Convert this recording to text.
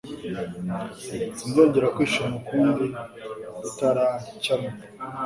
Sinzongera kwishima ukundi bitara cyamo.